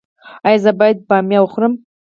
ایا زه باید بامیه وخورم؟